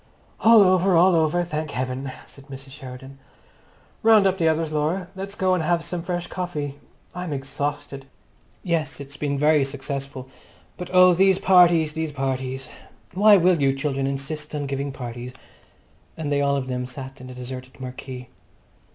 "All over, all over, thank heaven," said Mrs. Sheridan. "Round up the others, Laura. Let's go and have some fresh coffee. I'm exhausted. Yes, it's been very successful. But oh, these parties, these parties! Why will you children insist on giving parties!" And they all of them sat down in the deserted marquee.